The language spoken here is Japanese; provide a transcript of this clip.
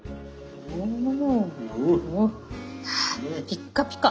ピッカピカ。